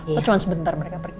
atau cuma sebentar mereka pergi